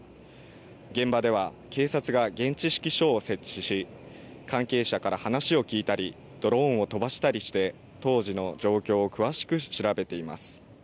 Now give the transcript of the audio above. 現場では警察が現地指揮所を設置し関係者から話を聞いたりドローンを飛ばしたりして当時の状況を詳しく調べています。